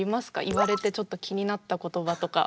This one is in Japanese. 言われてちょっと気になった言葉とか。